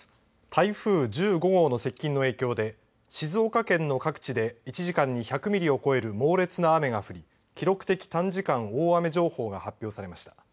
台風１５号の接近の影響で静岡県の各地で１時間に１００ミリを超える猛烈な雨が降り、記録的短時間大雨情報が発表されました。